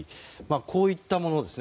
こういったものです。